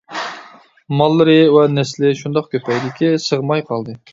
ماللىرى ۋە نەسلى شۇنداق كۆپەيدىكى، سىغماي قالدى.